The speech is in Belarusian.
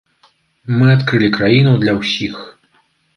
Мы адкрылі краіну для ўсіх.